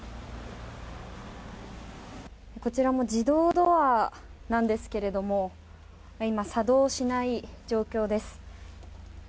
こちらも自動ドアなんですけれども今、作動しない状況です。